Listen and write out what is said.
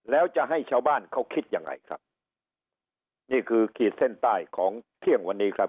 แล้วจะให้ชาวบ้านเขาคิดยังไงครับนี่คือขีดเส้นใต้ของเที่ยงวันนี้ครับ